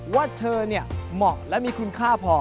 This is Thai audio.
ว่าเธอเหมาะและมีคุณค่าพอ